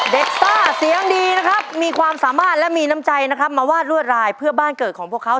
ซ่าเสียงดีนะครับมีความสามารถและมีน้ำใจนะครับมาวาดรวดลายเพื่อบ้านเกิดของพวกเขา